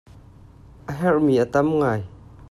A herh mi a tam ngai.